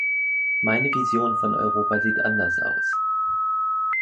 Meine Vision von Europa sieht anders aus.